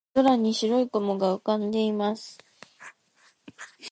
青空に白い雲が浮かんでいます。